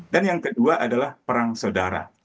dan yang kedua adalah perang saudara